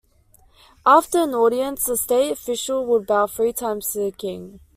After an audience, the state official would bow three times to the king.